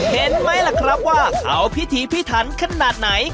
เห็นไหมล่ะครับว่าเขาพิธีพิถันขนาดไหน